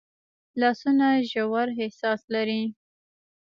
لاسونه ژور احساس لري